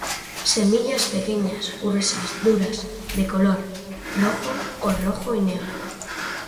Semillas pequeñas, gruesas, duras, de color rojo o rojo y negro.